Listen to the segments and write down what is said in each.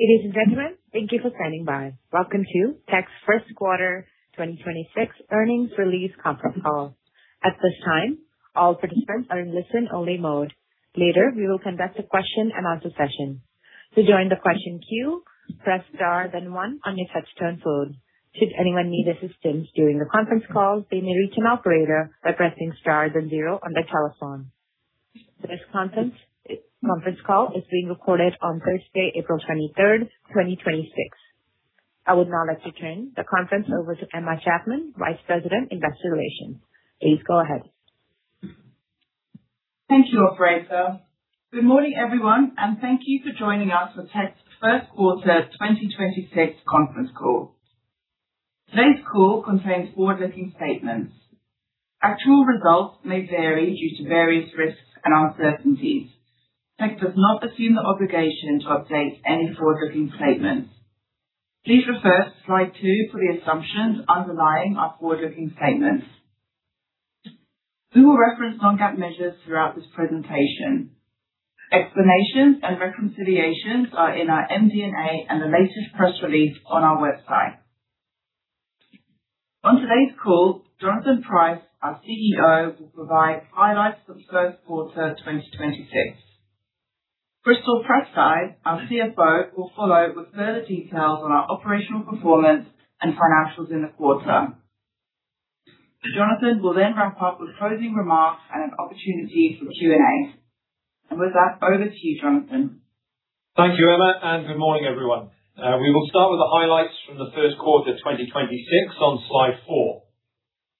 Ladies and gentlemen, thank you for standing by. Welcome to Teck's first quarter 2026 earnings release conference call. At this time, all participants are in listen-only mode. Later, we will conduct a question-and-answer session. To join the question queue, press star then one on your touch-tone phone. Should anyone need assistance during the conference call they may reach an operator by pressing star then zero on their telephone. This conference call is being recorded on Thursday, April 23rd, 2026. I would now like to turn the conference over to Emma Chapman, Vice President, Investor Relations. Please go ahead. Thank you, operator. Good morning, everyone, and thank you for joining us for Teck's first quarter 2026 conference call. Today's call contains forward-looking statements. Actual results may vary due to various risks and uncertainties. Teck does not assume the obligation to update any forward-looking statements. Please refer to slide two for the assumptions underlying our forward-looking statements. We will reference non-GAAP measures throughout this presentation. Explanations and reconciliations are in our MD&A and the latest press release on our website. On today's call, Jonathan Price, our CEO, will provide highlights for the first quarter 2026. Crystal Prystai, our CFO, will follow with further details on our operational performance and financials in the quarter. Jonathan will then wrap up with closing remarks and an opportunity for Q&A. With that, over to you, Jonathan. Thank you, Emma, and good morning, everyone. We will start with the highlights from the first quarter 2026 on slide four.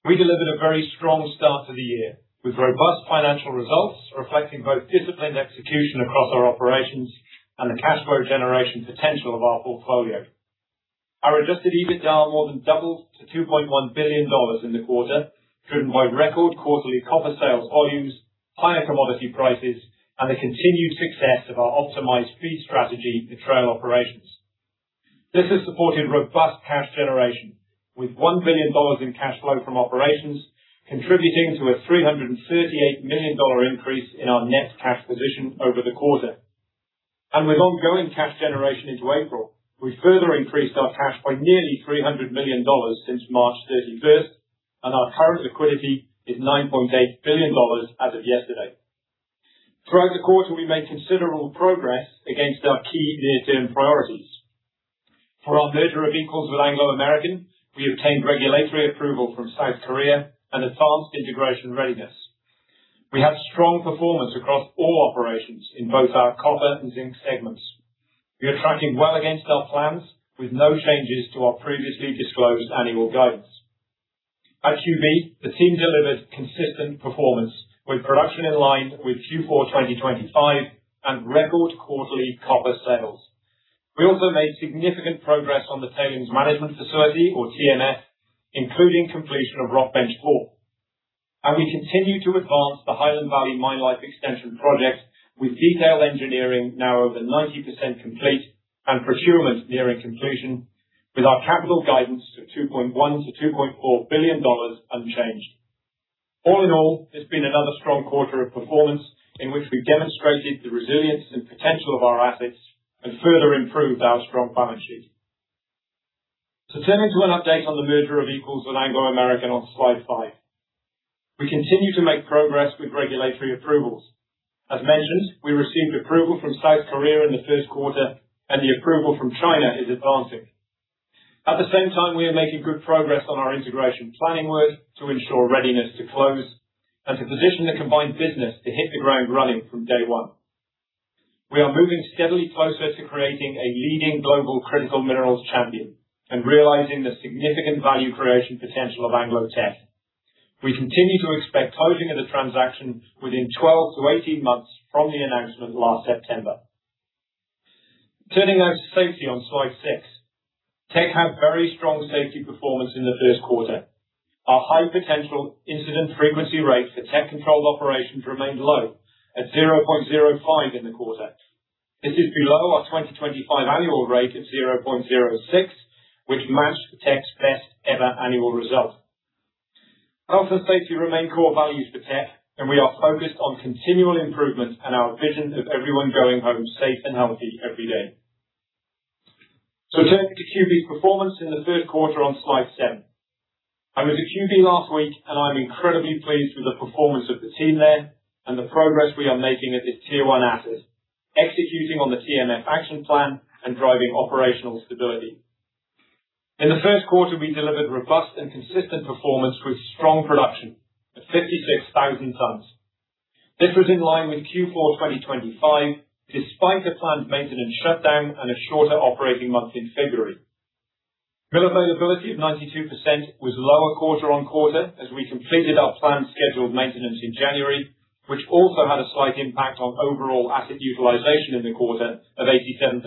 We delivered a very strong start to the year, with robust financial results reflecting both disciplined execution across our operations and the cash flow generation potential of our portfolio. Our adjusted EBITDA more than doubled to $2.1 billion in the quarter driven by record quarterly copper sales volumes, higher commodity prices, and the continued success of our optimized feed strategy in Trail Operations. This has supported robust cash generation, with $1 billion in cash flow from operations contributing to a $338 million increase in our net cash position over the quarter. With ongoing cash generation into April, we further increased our cash by nearly $300 million since March 31st, and our current liquidity is $9.8 billion as of yesterday. Throughout the quarter we made considerable progress against our key near-term priorities. For our merger of equals with Anglo American we obtained regulatory approval from South Korea and advanced integration readiness. We had strong performance across all operations in both our copper and zinc segments. We are tracking well against our plans with no changes to our previously disclosed annual guidance. At QB, the team delivered consistent performance with production in line with Q4 2025 and record quarterly copper sales. We also made significant progress on the tailings management facility or TMF, including completion of Rock Bench Four. We continue to advance the Highland Valley Copper Mine Life Extension Project with detailed engineering now over 90% complete and procurement nearing conclusion with our capital guidance of $2.1 billion-$2.4 billion unchanged. All in all, it's been another strong quarter of performance in which we demonstrated the resilience and potential of our assets and further improved our strong balance sheet. Turning to an update on the merger of equals with Anglo American on slide five. We continue to make progress with regulatory approvals. As mentioned, we received approval from South Korea in the first quarter and the approval from China is advancing. At the same time, we are making good progress on our integration planning work to ensure readiness to close and to position the combined business to hit the ground running from day one. We are moving steadily closer to creating a leading global critical minerals champion and realizing the significant value creation potential of Anglo and Teck. We continue to expect closing of the transaction within 12 to 18 months from the announcement last September. Turning now to safety on slide six. Teck had very strong safety performance in the first quarter. Our high potential incident frequency rate for Teck-controlled operations remained low at 0.05 in the quarter. This is below our 2025 annual rate of 0.06, which matched Teck's best ever annual result. Health and safety remain core values for Teck, and we are focused on continual improvement and our vision of everyone going home safe and healthy every day. Turning to QB performance in the third quarter on slide seven. I was at QB last week and I'm incredibly pleased with the performance of the team there and the progress we are making at this tier one asset, executing on the TMF action plan and driving operational stability. In the first quarter, we delivered robust and consistent performance with strong production at 56,000 tons. This was in line with Q4 2025, despite a planned maintenance shutdown and a shorter operating month in February. Mill availability of 92% was lower quarter-over-quarter as we completed our planned scheduled maintenance in January, which also had a slight impact on overall asset utilization in the quarter of 87%.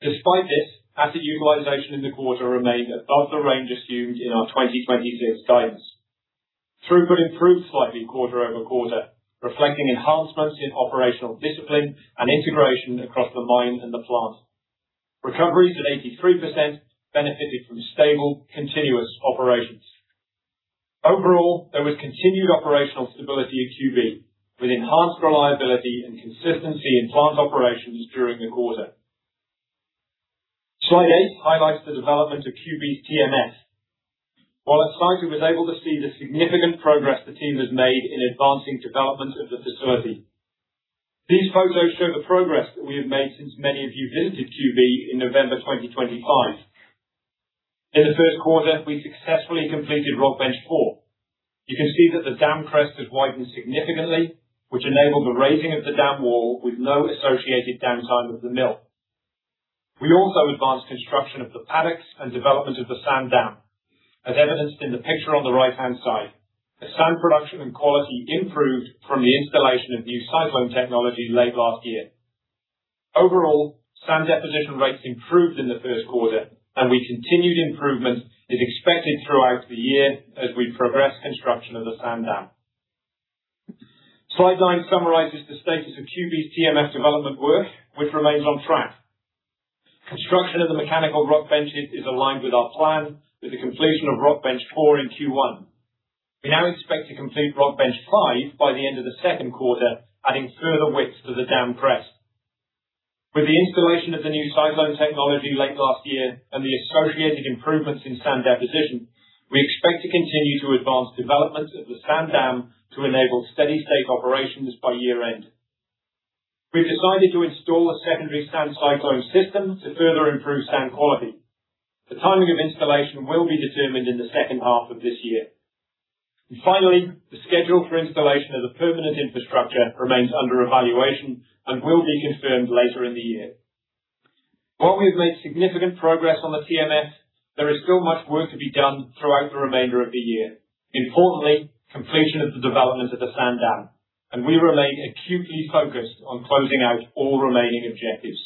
Despite this, asset utilization in the quarter remained above the range assumed in our 2026 guidance. Throughput improved slightly quarter-over-quarter, reflecting enhancements in operational discipline and integration across the mine and the plant. Recoveries at 83% benefited from stable, continuous operations. Overall, there was continued operational stability at QB, with enhanced reliability and consistency in plant operations during the quarter. Slide eight highlights the development of QB's TMF. While at site, we was able to see the significant progress the team has made in advancing development of the facility. These photos show the progress that we have made since many of you visited QB in November 2025. In the first quarter, we successfully completed Rock Bench Four. You can see that the dam crest has widened significantly, which enabled the raising of the dam wall with no associated downtime of the mill. We also advanced construction of the paddocks and development of the sand dam, as evidenced in the picture on the right-hand side, as sand production and quality improved from the installation of new cyclone technology late last year. Overall, sand deposition rates improved in the first quarter, and continued improvements are expected throughout the year as we progress construction of the sand dam. Slide nine summarizes the status of QB's TMF development work, which remains on track. Construction of the mechanical rock benches is aligned with our plan, with the completion of Rock Bench 4 in Q1. We now expect to complete Rock Bench 5 by the end of the second quarter, adding further width to the dam crest. With the installation of the new cyclone technology late last year and the associated improvements in sand deposition, we expect to continue to advance developments at the sand dam to enable steady state operations by year end. We've decided to install a secondary sand cyclone system to further improve sand quality. The timing of installation will be determined in the second half of this year. Finally, the schedule for installation of the permanent infrastructure remains under evaluation and will be confirmed later in the year. While we've made significant progress on the TMF, there is still much work to be done throughout the remainder of the year. Importantly, completion of the development of the sand dam, and we remain acutely focused on closing out all remaining objectives.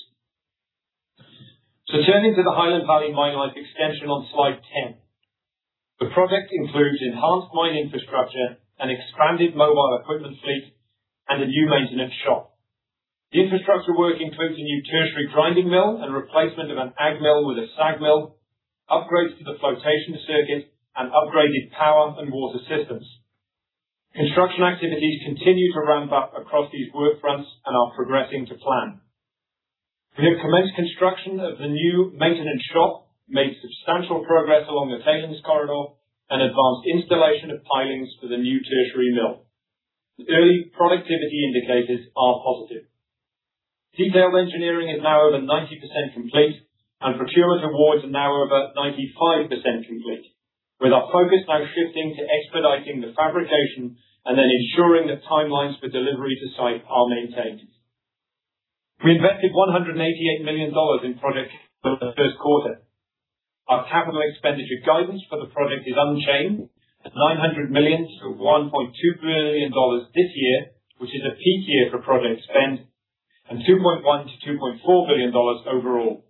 Turning to the Highland Valley Mine Life Extension on slide 10. The project includes enhanced mine infrastructure and expanded mobile equipment fleet and a new maintenance shop. The infrastructure work includes a new tertiary grinding mill and replacement of an AG mill with a SAG mill, upgrades to the flotation circuit and upgraded power and water systems. Construction activities continue to ramp up across these work fronts and are progressing to plan. We have commenced construction of the new maintenance shop, made substantial progress along the tailings corridor and advanced installation of pilings for the new tertiary mill. The early productivity indicators are positive. Detailed engineering is now over 90% complete, and procurement awards are now over 95% complete. With our focus now shifting to expediting the fabrication and then ensuring that timelines for delivery to site are maintained. We invested $188 million in project for the first quarter. Our capital expenditure guidance for the project is unchanged at $900 million-$1.2 billion this year, which is a peak year for project spend, and $2.1 billion-$2.4 billion overall.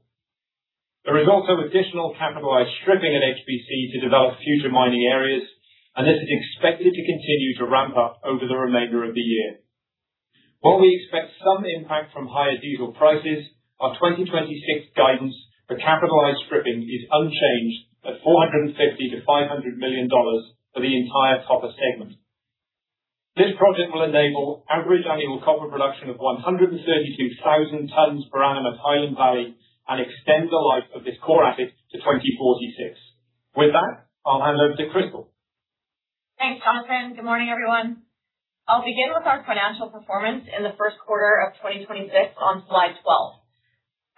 There is also additional capitalized stripping at HVC to develop future mining areas, and this is expected to continue to ramp up over the remainder of the year. While we expect some impact from higher diesel prices, our 2026 guidance for capitalized stripping is unchanged at $450 million-4500 million for the entire copper segment. This project will enable average annual copper production of 132,000 tons per annum at Highland Valley and extend the life of this core asset to 2046. With that, I'll hand over to Crystal. Thanks, Jonathan. Good morning, everyone. I'll begin with our financial performance in the first quarter of 2026 on slide 12.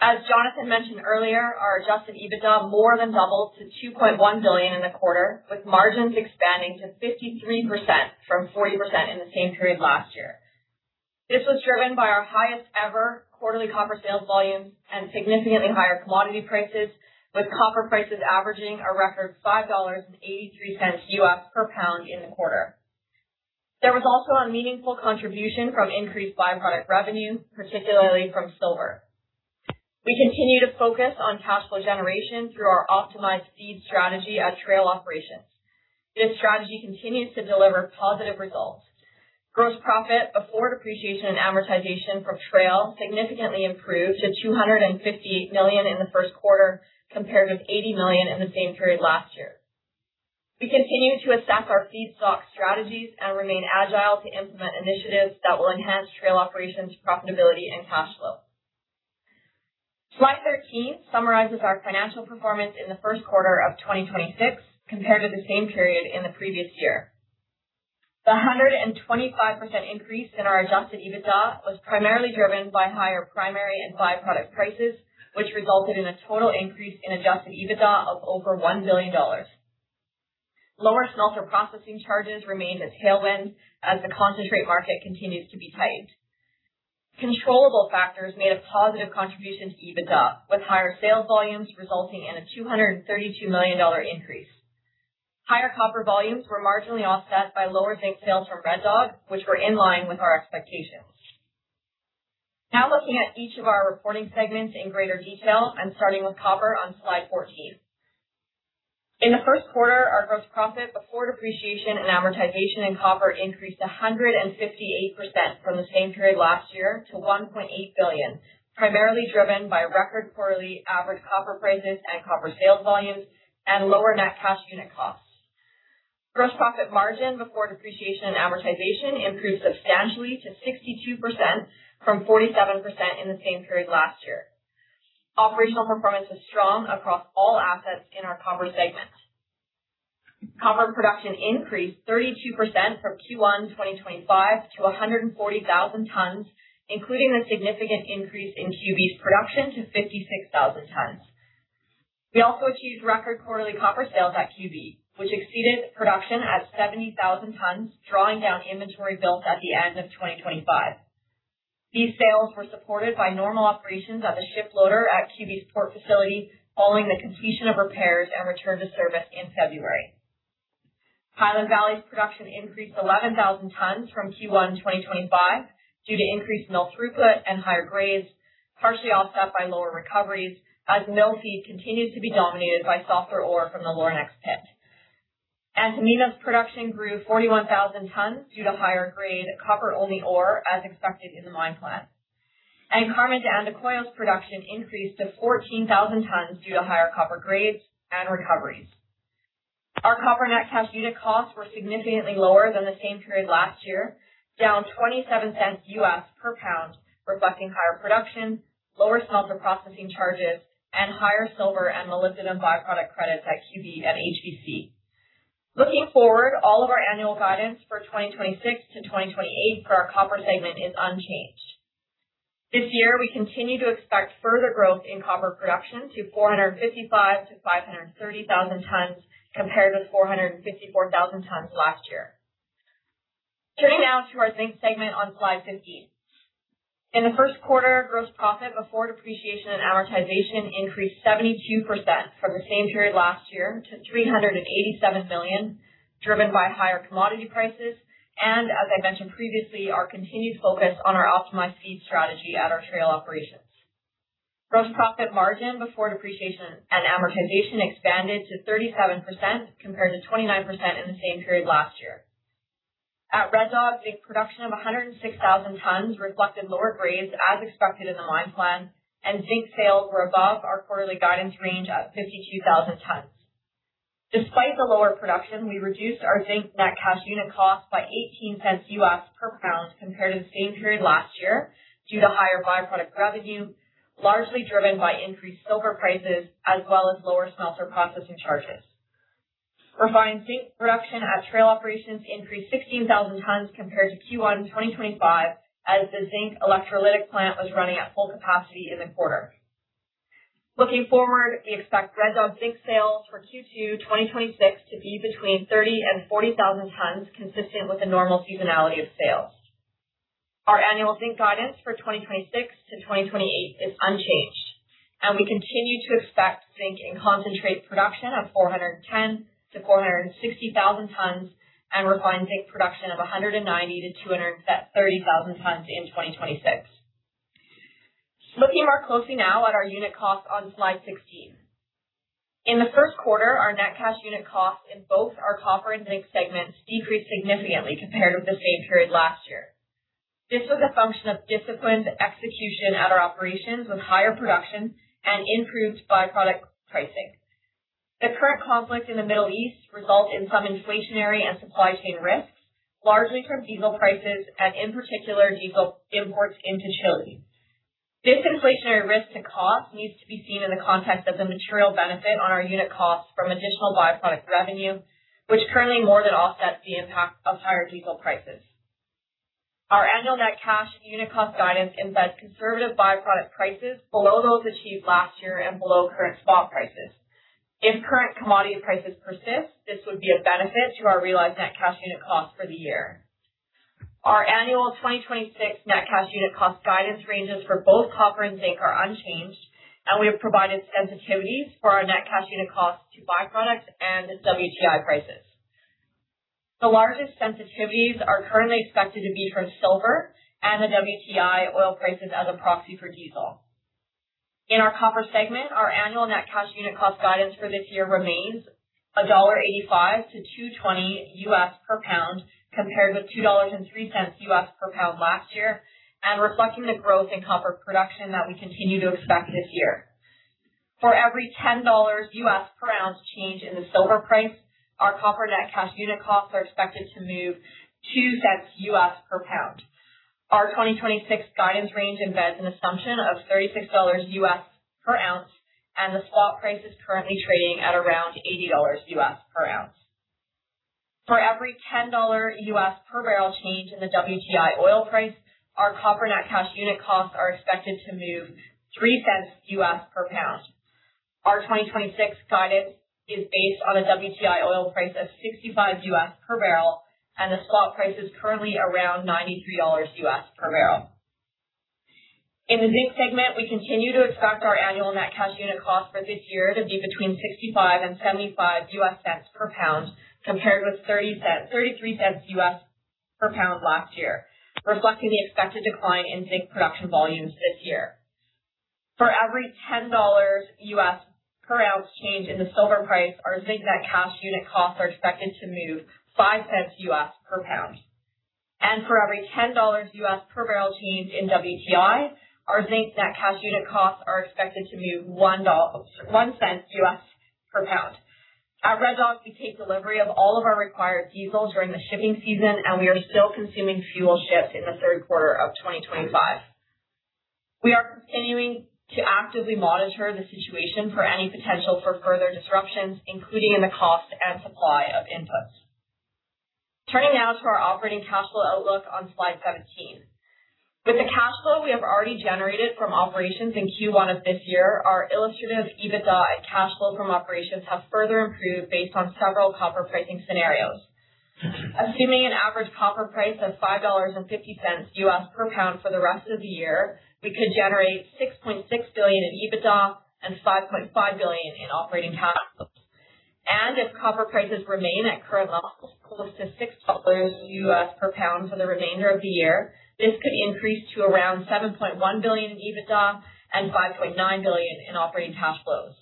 As Jonathan mentioned earlier, our adjusted EBITDA more than doubled to 2.1 billion in the quarter, with margins expanding to 53% from 40% in the same period last year. This was driven by our highest ever quarterly copper sales volumes and significantly higher commodity prices, with copper prices averaging a record $5.83 US per pound in the quarter. There was also a meaningful contribution from increased by-product revenue particularly from silver. We continue to focus on cash flow generation through our optimized feed strategy at Trail Operations. This strategy continues to deliver positive results. Gross profit before depreciation and amortization from Trail significantly improved to 258 million in the first quarter, compared with 80 million in the same period last year. We continue to assess our feedstock strategies and remain agile to implement initiatives that will enhance Trail operations profitability and cash flow. Slide 13 summarizes our financial performance in the first quarter of 2026 compared to the same period in the previous year. The 125% increase in our adjusted EBITDA was primarily driven by higher primary and by-product prices, which resulted in a total increase in adjusted EBITDA of over $1 billion. Lower smelter processing charges remained a tailwind as the concentrate market continues to be tight. Controllable factors made a positive contribution to EBITDA, with higher sales volumes resulting in a 232 million dollar increase. Higher copper volumes were marginally offset by lower zinc sales from Red Dog, which were in line with our expectations. Now looking at each of our reporting segments in greater detail and starting with copper on slide 14. In the first quarter, our gross profit before depreciation and amortization in copper increased 158% from the same period last year to 1.8 billion, primarily driven by record quarterly average copper prices and copper sales volumes and lower net cash unit costs. Gross profit margin before depreciation and amortization improved substantially to 62% from 47% in the same period last year. Operational performance was strong across all assets in our copper segment. Copper production increased 32% from Q1 2025 to 140,000 tons, including a significant increase in QB's production to 56,000 tons. We also achieved record quarterly copper sales at QB, which exceeded production at 70,000 tons, drawing down inventory built at the end of 2025. These sales were supported by normal operations at the ship loader at QB's port facility, following the completion of repairs and return to service in February. Highland Valley's production increased 11,000 tons from Q1 2025 due to increased mill throughput and higher grades partially offset by lower recoveries as mill feed continued to be dominated by sulfur ore from the Lornex pit. Antamina's production grew 41,000 tons due to higher grade copper-only ore, as expected in the mine plan. Carmen de Andacollo's production increased to 14,000 tons due to higher copper grades and recoveries. Our copper net cash unit costs were significantly lower than the same period last year, down $0.27 per pound, reflecting higher production, lower smelter processing charges, and higher silver and molybdenum by-product credits at QB and HVC. Looking forward all of our annual guidance for 2026 to 2028 for our Copper segment is unchanged. This year, we continue to expect further growth in copper production to 455,000 to 530,000 tons compared with 454,000 tons last year. Turning now to our zinc segment on slide 15. In the first quarter, gross profit before depreciation and amortization increased 72% from the same period last year to 387 million, driven by higher commodity prices, and as I mentioned previously, our continued focus on our optimized feed strategy at our Trail Operations. Gross profit margin before depreciation and amortization expanded to 37%, compared to 29% in the same period last year. At Red Dog, zinc production of 106,000 tons reflected lower grades as expected in the mine plan, and zinc sales were above our quarterly guidance range of 52,000 tons. Despite the lower production, we reduced our zinc net cash unit costs by $0.18 per pound compared to the same period last year due to higher by-product revenue, largely driven by increased silver prices as well as lower smelter processing charges. Refined zinc production at Trail Operations increased 16,000 tons compared to Q1 2025, as the Zinc Electrolytic Plant was running at full capacity in the quarter. Looking forward, we expect Red Dog zinc sales for Q2 2026 to be between 30,000 and 40,000 tons, consistent with the normal seasonality of sales. Our annual zinc guidance for 2026 to 2028 is unchanged, and we continue to expect zinc in concentrate production of 410,000 to 460,000 tons and refined zinc production of 190,000 to 230,000 tons in 2026. Looking more closely now at our unit costs on slide 16. In the first quarter, our net cash unit costs in both our copper and zinc segments decreased significantly compared with the same period last year. This was a function of disciplined execution at our operations with higher production and improved by-product pricing. The current conflict in the Middle East result in some inflationary and supply chain risks, largely from diesel prices and in particular diesel imports into Chile. This inflationary risk to cost needs to be seen in the context of the material benefit on our unit costs from additional by-product revenue, which currently more than offsets the impact of higher diesel prices. Our annual net cash unit cost guidance embeds conservative by-product prices below those achieved last year and below current spot prices. If current commodity prices persist this would be a benefit to our realized net cash unit cost for the year. Our annual 2026 net cash unit cost guidance ranges for both copper and zinc are unchanged, and we have provided sensitivities for our net cash unit costs to by-products and the WTI prices. The largest sensitivities are currently expected to be for silver and the WTI oil prices as a proxy for diesel. In our copper segment, our annual net cash unit cost guidance for this year remains $1.85-$2.20 US per pound, compared with $2.03 US per pound last year, and reflecting the growth in copper production that we continue to expect this year. For every $10 per ounce change in the silver price, our copper net cash unit costs are expected to move [$0.02] U.S. per pound. Our 2026 guidance range embeds an assumption of $36 per ounce, and the spot price is currently trading at around $80 per ounce. For every $10 per barrel change in the WTI oil price, our copper net cash unit costs are expected to move $0.03 per pound. Our 2026 guidance is based on a WTI oil price of $65 per barrel, and the spot price is currently around $93 per barrel. In the zinc segment, we continue to expect our annual net cash unit cost for this year to be betwe en $0.65 and $0.75 per pound, compared with $0.33 per pound last year, reflecting the expected decline in zinc production volumes this year. For every $10 US per ounce change in the silver price, our zinc net cash unit costs are expected to move $0.05 US per pound. For every $10 US per barrel change in WTI, our zinc net cash unit costs are expected to move $0.01 US per pound. At Red Dog, we take delivery of all of our required diesel during the shipping season, and we are still consuming fuel shipped in the third quarter of 2025. We are continuing to actively monitor the situation for any potential for further disruptions, including in the cost and supply of inputs. Turning now to our operating cash flow outlook on slide 17. With the cash flow we have already generated from operations in Q1 of this year, our illustrative EBITDA and cash flow from operations have further improved based on several copper pricing scenarios. Assuming an average copper price of $5.50 US per pound for the rest of the year, we could generate $6.6 billion in EBITDA and $5.5 billion in operating cash flows. If copper prices remain at current levels, close to $6 US per pound for the remainder of the year, this could increase to around $7.1 billion in EBITDA and $5.9 billion in operating cash flows.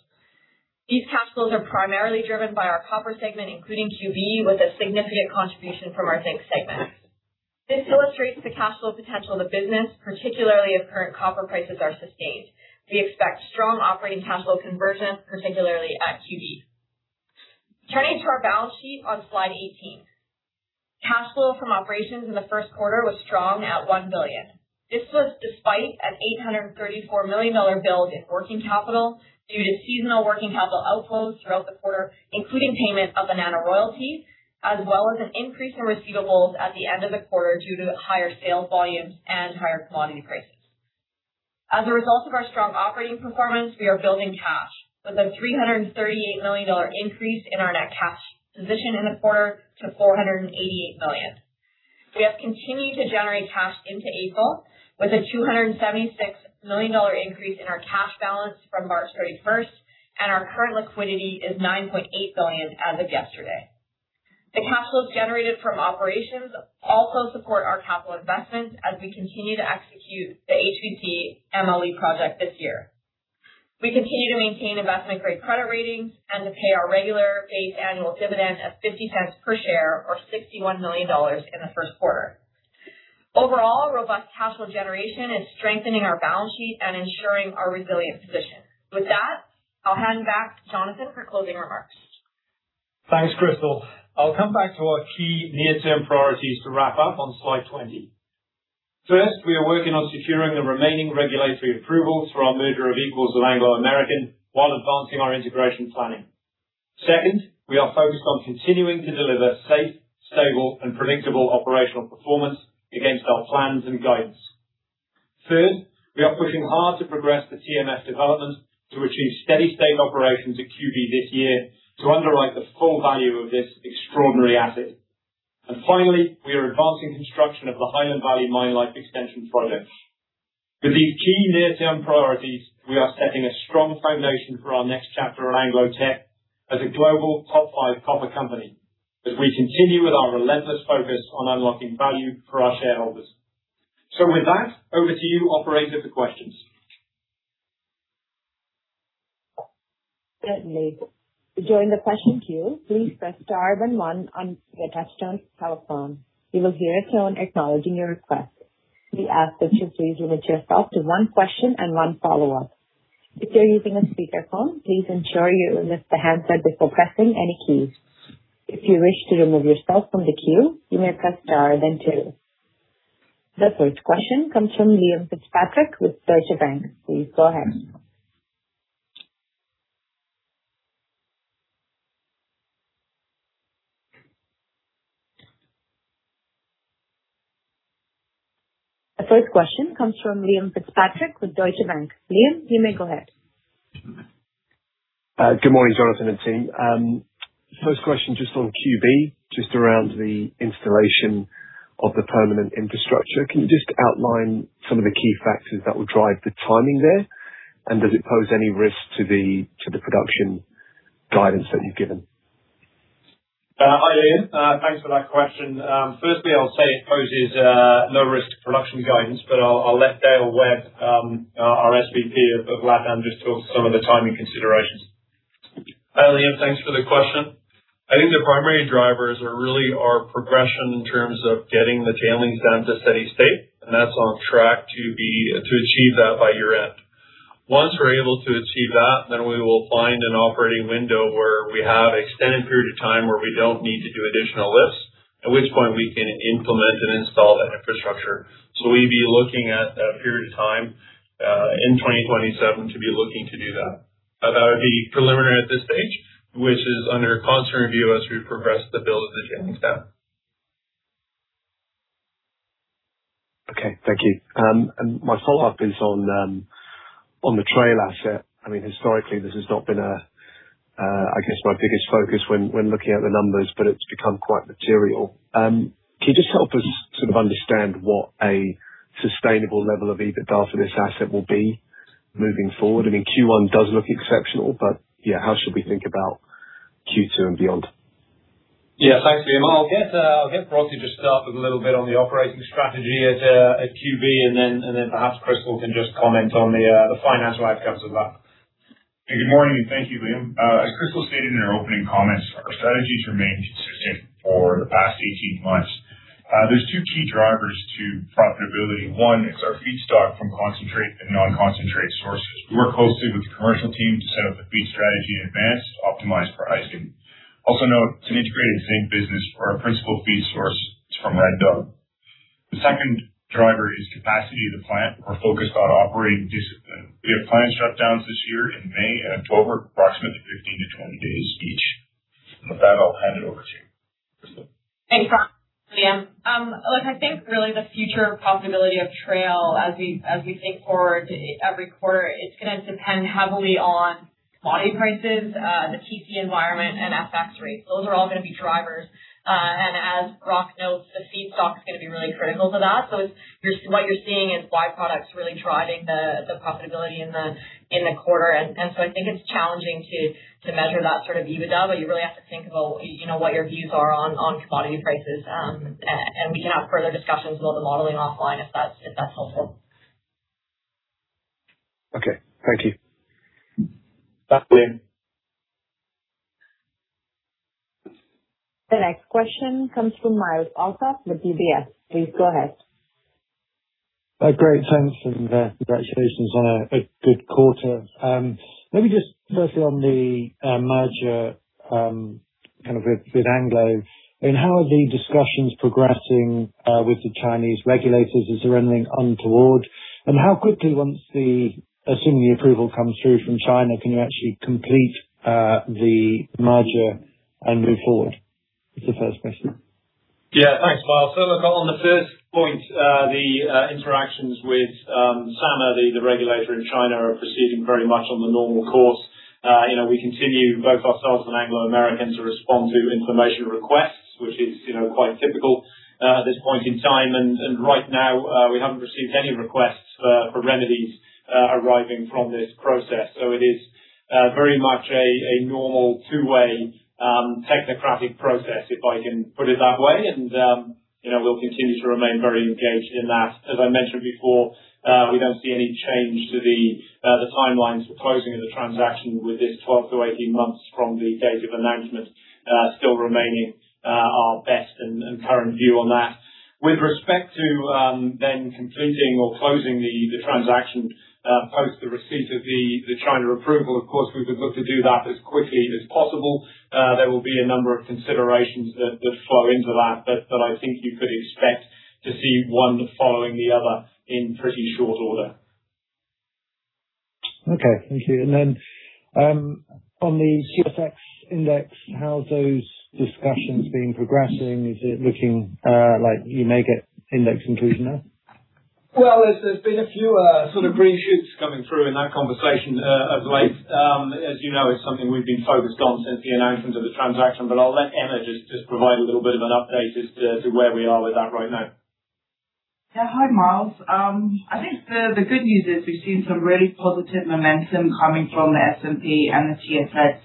These cash flows are primarily driven by our copper segment, including QB, with a significant contribution from our zinc segment. This illustrates the cash flow potential of the business, particularly if current copper prices are sustained. We expect strong operating cash flow conversion, particularly at QB. Turning to our balance sheet on slide 18. Cash flow from operations in the first quarter was strong at $1 billion. This was despite an 834 million dollar build in working capital due to seasonal working capital outflows throughout the quarter, including payment of annual royalty, as well as an increase in receivables at the end of the quarter due to higher sales volumes and higher commodity prices. As a result of our strong operating performance, we are building cash with a $338 million increase in our net cash position in the quarter to $488 million. We have continued to generate cash into April with a $276 million increase in our cash balance from March 31st, and our current liquidity is $9.8 billion as of yesterday. The cash flows generated from operations also support our capital investments as we continue to execute the HVC MLE project this year. We continue to maintain investment-grade credit ratings and to pay our regular 8 annual dividend of $0.50 per share or $61 million in the first quarter. Overall, robust cash flow generation is strengthening our balance sheet and ensuring our resilient position. With that, I'll hand back to Jonathan for closing remarks. Thanks, Crystal. I'll come back to our key near-term priorities to wrap up on slide 20. First, we are working on securing the remaining regulatory approvals for our merger of equals with Anglo American while advancing our integration planning. Second, we are focused on continuing to deliver safe, stable and predictable operational performance against our plans and guidance. Third, we are pushing hard to progress the TMF development to achieve steady state operations at QB this year to underwrite the full value of this extraordinary asset. And finally, we are advancing construction of the Highland Valley Copper Mine Life Extension Project. With these key near-term priorities, we are setting a strong foundation for our next chapter at Anglo Teck as a global top five copper company, as we continue with our relentless focus on unlocking value for our shareholders. With that, over to you operator for questions. Certainly. To join the question queue, please press star and one on your touchtone telephone. You will hear a tone acknowledging your request. We ask that you please limit yourself to one question and one follow-up. If you're using a speakerphone, please ensure you lift the handset before pressing any keys. If you wish to remove yourself from the queue, you may press star then two. The first question comes from Liam Fitzpatrick with Deutsche Bank. Please go ahead. Liam, you may go ahead. Good morning, Jonathan and team. First question, just on QB, just around the installation of the permanent infrastructure. Can you just outline some of the key factors that will drive the timing there? Does it pose any risk to the production guidance that you've given? Hi, Liam. Thanks for that question. Firstly, I'll say it poses no risk to production guidance, but I'll let Dale Webb, our SVP of LatAm, just talk through some of the timing considerations. Hi, Liam. Thanks for the question. I think the primary drivers are really our progression in terms of getting the tailings dam to steady state, and that's on track to achieve that by year-end. Once we're able to achieve that then we will find an operating window where we have extended period of time where we don't need to do additional lifts, at which point we can implement and install that infrastructure. We'd be looking at a period of time in 2022 to be looking to do that. That would be preliminary at this stage, which is under constant review as we progress the build of the tailings dam. Okay. Thank you. My follow-up is on the Trail asset. I mean, historically this has not been I guess, my biggest focus when looking at the numbers, but it's become quite material. Can you just help us sort of understand what a sustainable level of EBITDA for this asset will be moving forward? I mean, Q1 does look exceptional, but yeah, how should we think about Q2 and beyond? Yeah. Thanks, Liam. I'll get Brock to just start with a little bit on the operating strategy at QB and then perhaps Crystal can just comment on the financial outcomes of that. Good morning. Thank you, Liam. As Crystal stated in her opening comments, our strategies remain consistent for the past 18 months. There's two key drivers to profitability. One is our feedstock from concentrate and non-concentrate sources. We work closely with the commercial team to set up the feed strategy in advance to optimize pricing. Also note, it's an integrated zinc business, our principal feed source is from Red Dog. The second driver is capacity of the plant. We're focused on operating discipline. We have planned shutdowns this year in May and October, approximately 15-20 days each. With that, I'll hand it over to you, Crystal. Thanks, Brock. Liam. Look, I think really the future profitability of Trail as we think forward every quarter, it's going to depend heavily on commodity prices, the TC environment, and FX rates. Those are all going to be drivers. As Brock notes the feedstock is going to be really critical to that what you're seeing is byproducts really driving the profitability in the quarter. I think it's challenging to measure that sort of EBITDA, but you really have to think about what your views are on commodity prices. We can have further discussions about the modeling offline if that's helpful. Okay. Thank you. Bye. The next question comes from Myles Allsop with UBS. Please go ahead. Great. Thanks, and congratulations on a good quarter. Maybe just firstly on the merger with Anglo, and how are the discussions progressing with the Chinese regulators? Is there anything untoward? How quickly, once the, assuming the approval comes through from China, can you actually complete the merger and move forward? It's the first question. Yeah. Thanks, Myles. Look, on the first point, the interactions with SAMR, the regulator in China are proceeding very much on the normal course. We continue both ourselves and Anglo American to respond to information requests, which is quite typical at this point in time. Right now, we haven't received any requests for remedies arriving from this process. It is very much a normal two-way technocratic process, if I can put it that way we'll continue to remain very engaged in that. As I mentioned before, we don't see any change to the timelines for closing of the transaction with this 12 to 18 months from the date of announcement still remaining our best and current view on that. With respect to then completing or closing the transaction post the receipt of the China approval, of course, we would look to do that as quickly as possible. There will be a number of considerations that flow into that, but I think you could expect to see one following the other in pretty short order. Okay. Thank you. On the TSX index, how's those discussions been progressing? Is it looking like you may get index inclusion now? Well, there's been a few sort of green shoots coming through in that conversation of late. As you know, it's something we've been focused on since the announcement of the transaction, but I'll let Emma just provide a little bit of an update as to where we are with that right now. Yeah. Hi, Myles. I think the good news is we've seen some really positive momentum coming from the S&P and the TSX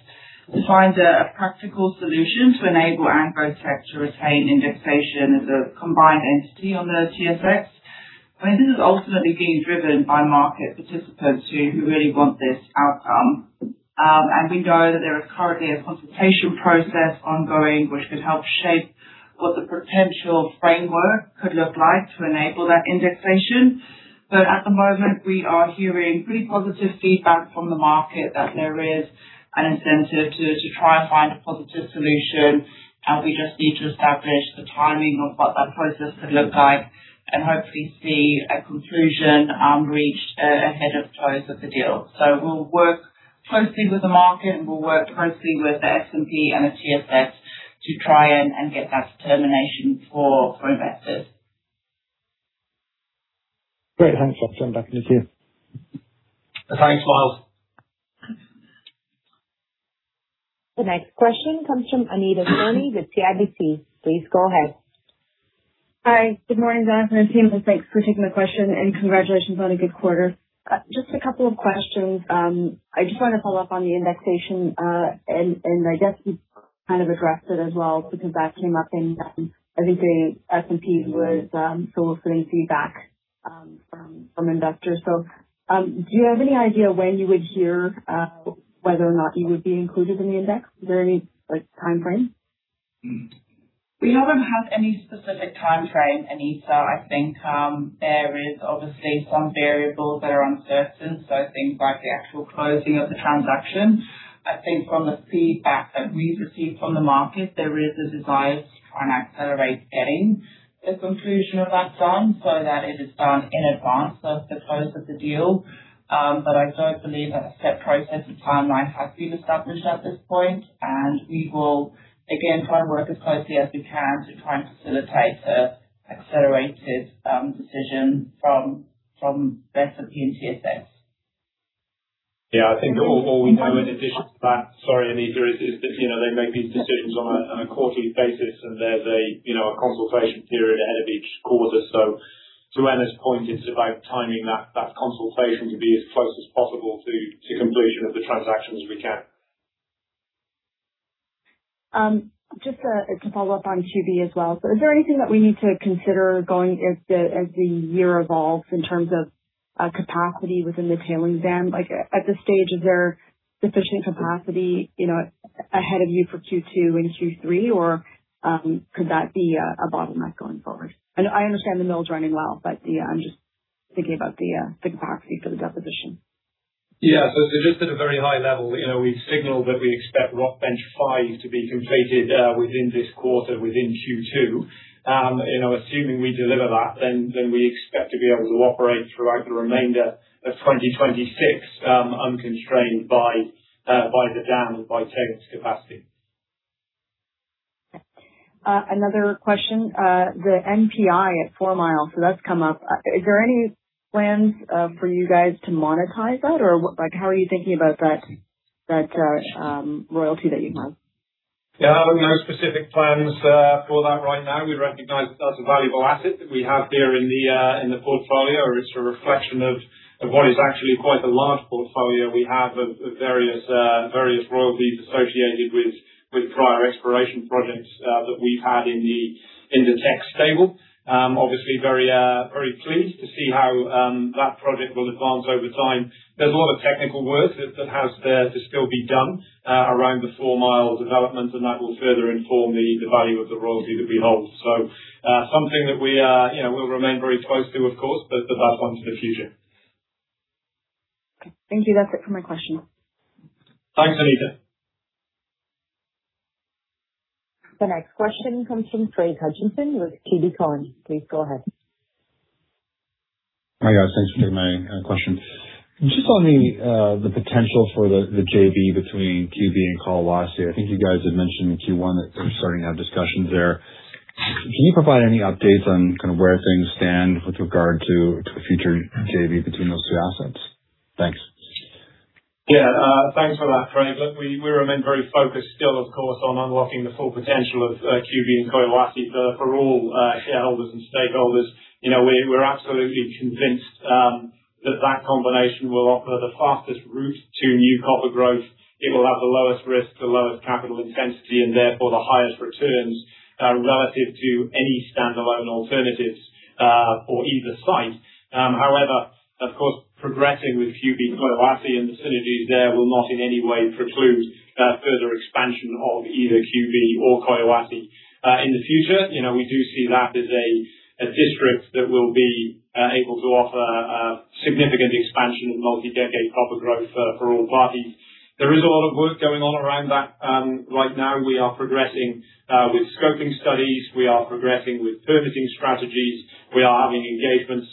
to find a practical solution to enable Anglo Teck to retain indexation as a combined entity on the TSX. I mean, this is ultimately being driven by market participants who really want this outcome. We know that there is currently a consultation process ongoing which could help shape what the potential framework could look like to enable that indexation. At the moment, we are hearing pretty positive feedback from the market that there is an incentive to try and find a positive solution, and we just need to establish the timing of what that process could look like and hopefully see a conclusion reached ahead of close of the deal. We'll work closely with the market, and we'll work closely with the S&P and the TSX to try and get that determination for investors. Great. Thanks, Emma. Back to you. Thanks, Myles. The next question comes from Anita Soni with CIBC. Please go ahead. Hi. Good morning, Jonathan and team. Thanks for taking the question, and congratulations on a good quarter. Just a couple of questions. I just want to follow up on the indexation, and I guess you kind of addressed it as well because that came up in, I think the S&P was soliciting feedback from investors. Do you have any idea when you would hear whether or not you would be included in the index? Is there any timeframe? We haven't had any specific timeframe, Anita. I think there is obviously some variables that are uncertain. Things like the actual closing of the transaction. I think from the feedback that we've received from the market there is a desire to try and accelerate getting the conclusion of that done so that it is done in advance of the close of the deal. I don't believe that a set process and timeline has been established at this point. We will again, try and work as closely as we can to try and facilitate an accelerated decision from S&P and TSX. Yeah, I think all we know in addition to that. Sorry, Anita, is that they make these decisions on a quarterly basis, and there's a consultation period ahead of each quarter. To Emma's point, it's about timing that consultation to be as close as possible to completion of the transaction as we can. Just to follow up on QB as well. Is there anything that we need to consider as the year evolves in terms of capacity within the tailings dam? Like at this stage is there sufficient capacity ahead of you for Q2 and Q3, or could that be a bottleneck going forward? I know, I understand the mill's running well, but yeah, I'm just thinking about the capacity for the deposition. Yeah. Just at a very high level, we've signaled that we expect Rock Bench 5 to be completed within this quarter within Q2. Assuming we deliver that, then we expect to be able to operate throughout the remainder of 2026, unconstrained by the dam and by tailings capacity. Another question, the NPI at Fourmile, so that's come up. Is there any plans for you guys to monetize that? Or how are you thinking about that royalty that you have? Yeah. No specific plans for that right now. We recognize that's a valuable asset that we have there in the portfolio. It's a reflection of what is actually quite a large portfolio we have of various royalties associated with prior exploration projects that we've had in the Teck stable. Obviously very pleased to see how that project will advance over time. There's a lot of technical work that has there to still be done around the Four Mile development, and that will further inform the value of the royalty that we hold. Something that we'll remain very close to, of course, but that's into the future. Okay. Thank you. That's it for my questions. Thanks, Anita. The next question comes from Craig Hutchison with TD Cowen. Please go ahead. Hi guys, thanks for taking my question. Just on the potential for the JV between QB and Collahuasi. I think you guys had mentioned in Q1 that you're starting to have discussions there. Can you provide any updates on kind of where things stand with regard to a future JV between those two assets? Thanks. Yeah. Thanks for that, Craig. Look, we remain very focused still, of course, on unlocking the full potential of QB and Collahuasi for all shareholders and stakeholders. We're absolutely convinced that combination will offer the fastest route to new copper growth. It will have the lowest risk, the lowest capital intensity, and therefore the highest returns, relative to any standalone alternatives for either site. However, of course, progressing with QB and Collahuasi and the synergies there will not in any way preclude further expansion of either QB or Collahuasi. In the future, we do see that as a district that will be able to offer significant expansion of multi-decade copper growth for all parties. There is a lot of work going on around that right now. We are progressing with scoping studies. We are progressing with permitting strategies. We are having engagements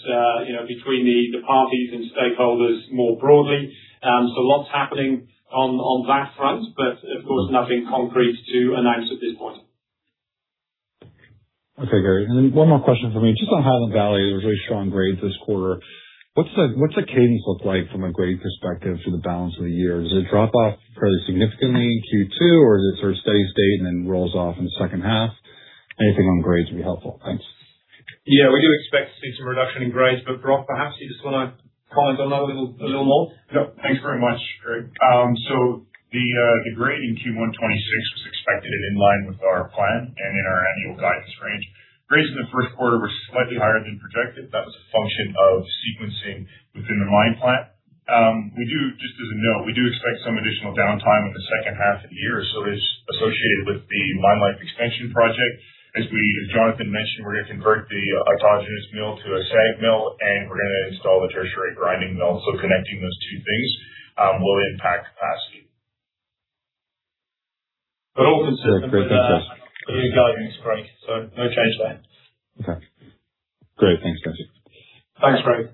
between the parties and stakeholders more broadly. Lots happening on that front, but of course, nothing concrete to announce at this point. Okay, Jonathan. One more question for me, just on Highland Valley it was really strong grades this quarter. What's the cadence look like from a grade perspective for the balance of the year? Does it drop off fairly significantly in Q2, or does it sort of steady state and then rolls off in the second half? Anything on grades would be helpful. Thanks. Yeah. We do expect to see some reduction in grades, but Brock, perhaps you just wanna comment on that a little more? Yep. Thanks very much, Craig. The grade in Q1 2026 was expected and in line with our plan and in our annual guidance range. Grades in the first quarter were slightly higher than projected. That was a function of sequencing within the mine plan. Just as a note, we do expect some additional downtime in the second half of the year, so it's associated with the mine life extension project. As Jonathan mentioned, we're gonna convert the autogenous mill to a SAG mill, and we're gonna install the tertiary grinding mill, so connecting those two things will impact capacity. All consistent with our guidance grade, so no change there. Okay, great. Thanks, guys. Thanks, Craig.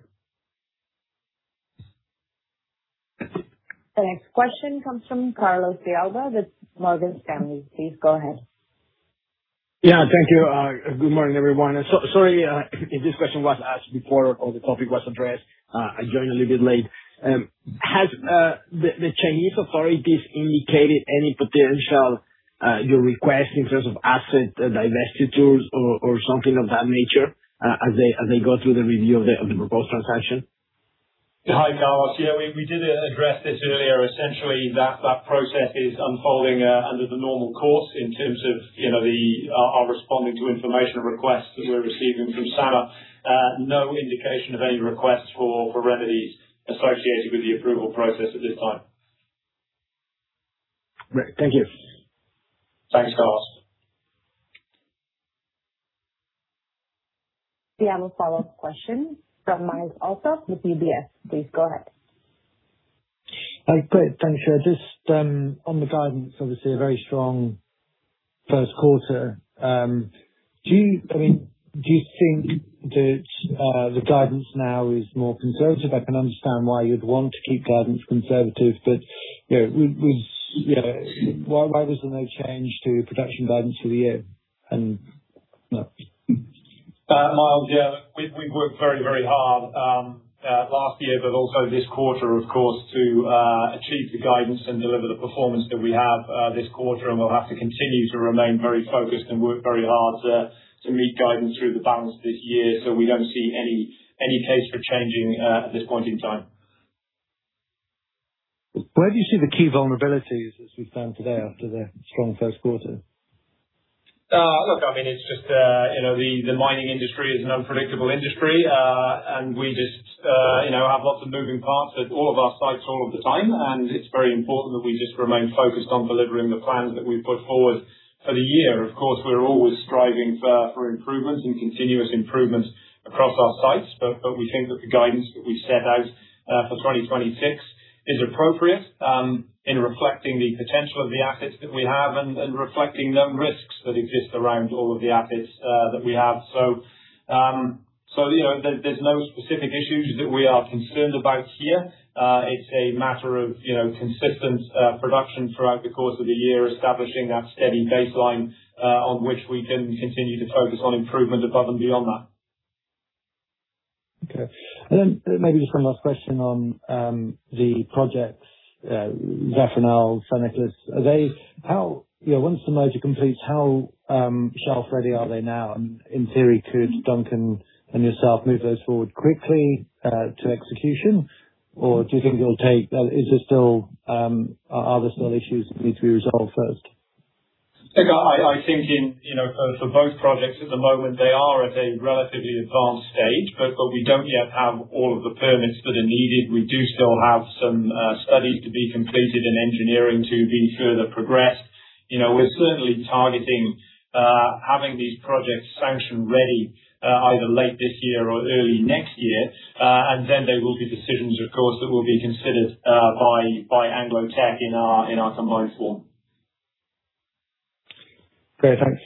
The next question comes from Carlos De Alba with Morgan Stanley. Please go ahead. Yeah, thank you. Good morning, everyone. Sorry if this question was asked before or the topic was addressed. I joined a little bit late. Have the Chinese authorities indicated any potential requirements in terms of asset divestitures or something of that nature as they go through the review of the proposed transaction? Hi, Carlos. Yeah, we did address this earlier, essentially that process is unfolding under the normal course in terms of our responding to information requests that we're receiving from SAMR. No indication of any requests for remedies associated with the approval process at this time. Great. Thank you. Thanks, Carlos. We have a follow-up question from Myles Allsop with UBS. Please go ahead. Hi. Great, thank you. Just on the guidance, obviously a very strong first quarter. Do you think that the guidance now is more conservative? I can understand why you'd want to keep guidance conservative, but why was there no change to production guidance for the year? Myles, yeah, we've worked very, very hard last year, but also this quarter, of course, to achieve the guidance and deliver the performance that we have this quarter, and we'll have to continue to remain very focused and work very hard to meet guidance through the balance this year. We don't see any case for changing at this point in time. Where do you see the key vulnerabilities as we stand today after the strong first quarter? Look, it's just the mining industry is an unpredictable industry, and we just have lots of moving parts at all of our sites all of the time, and it's very important that we just remain focused on delivering the plans that we've put forward for the year. Of course, we're always striving for improvements and continuous improvements across our sites. We think that the guidance that we set out for 2026 is appropriate in reflecting the potential of the assets that we have and reflecting known risks that exist around all of the assets that we have. There's no specific issues that we are concerned about here. It's a matter of consistent production throughout the course of the year, establishing that steady baseline, on which we can continue to focus on improvement above and beyond that. Okay. Maybe just one last question on the projects, Zafranal, San Nicolás. Once the merger completes, how shelf-ready are they now? And in theory, could Duncan and yourself move those forward quickly to execution? Or are there still issues that need to be resolved first? Look, I think for both projects at the moment, they are at a relatively advanced stage, but we don't yet have all of the permits that are needed. We do still have some studies to be completed and engineering to be further progressed. We're certainly targeting having these projects sanction-ready either late this year or early next year, and then there will be decisions, of course, that will be considered by Anglo Teck in our combined form. Great. Thanks.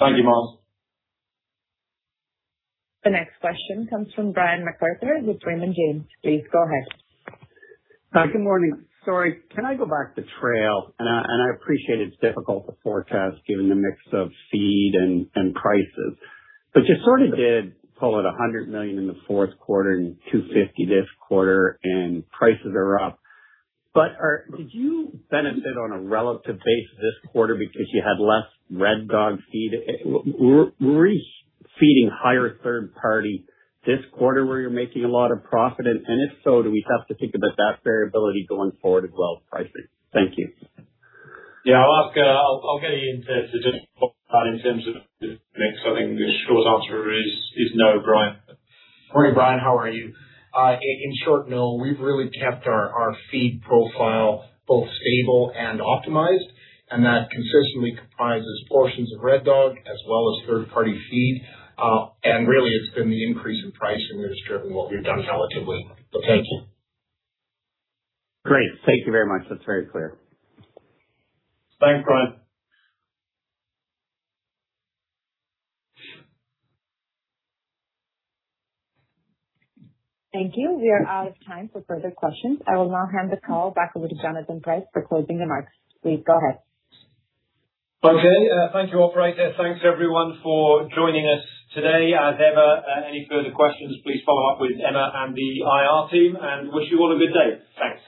Thank you, Myles. The next question comes from Brian MacArthur with Raymond James. Please go ahead. Hi, good morning. Sorry, can I go back to Trail? I appreciate it's difficult to forecast given the mix of feed and prices. You sort of did pull out 100 million in the fourth quarter and 250 million this quarter, and prices are up. Did you benefit on a relative basis this quarter because you had less Red Dog feed? Were you feeding higher third party this quarter where you're making a lot of profit? If so, do we have to think about that variability going forward as well as pricing? Thank you. Yeah. I'll get Ian to just talk about in terms of the mix. I think the short answer is no, Brian. Morning, Brian. How are you. In short, no. We've really kept our feed profile both stable and optimized, and that consistently comprises portions of Red Dog as well as third-party feed. Really it's been the increase in pricing that has driven what we've done relatively. Okay. Great. Thank you very much. That's very clear. Thanks, Brian. Thank you. We are out of time for further questions. I will now hand the call back over to Jonathan Price for closing remarks. Please go ahead. Okay. Thank you, operator. Thanks everyone for joining us today. As ever, any further questions, please follow up with Emma and the IR team, and wish you all a good day. Thanks.